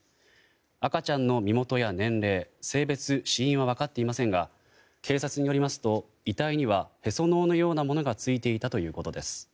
赤ちゃんの身元や年齢性別、死因は分かっていませんが警察によりますと遺体にはへその緒のようなものがついていたということです。